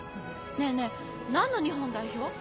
ねぇねぇ何の日本代表？